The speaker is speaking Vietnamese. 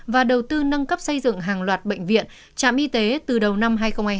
và đầu tư nâng cấp xây dựng hàng loạt bệnh viện trạm y tế từ đầu năm hai nghìn hai mươi hai